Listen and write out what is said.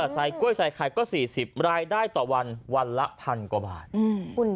ใส่กล้วยใส่ไข่ก็๔๐รายได้ต่อวันวันละพันกว่าบาท